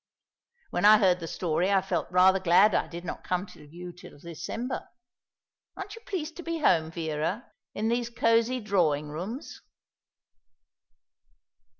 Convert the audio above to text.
When I heard the story I felt rather glad I did not come to you till December. Aren't you pleased to be home, Vera, in these cosy drawing rooms?"